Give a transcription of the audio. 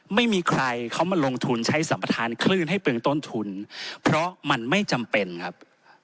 ไม่มีใครเขามาลงทุนใช้สัมประธานคลื่นให้เป็นต้นทุนเพราะมันไม่จำเป็นครับ